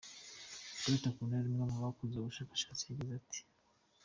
Dr Carroll umwe mu bakoze ubu bushakashatsi yagize ati:.